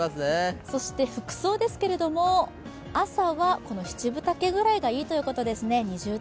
服装ですけれども、朝は７分丈ぐらいがいいっていうことですね。